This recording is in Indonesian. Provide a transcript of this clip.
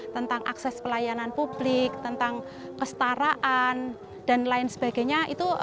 tentang akses pelayanan publik tentang kestaraan dan lain sebagainya